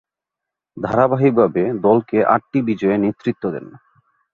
ধারাবাহিকভাবে দলকে আটটি বিজয়ে নেতৃত্ব দেন।